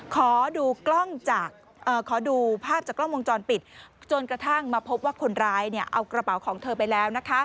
ขอดูขอดูภาพจากกล้องวงจรปิดจนกระทั่งมาพบว่าคนร้ายเอากระเป๋าของเธอไปแล้วนะคะ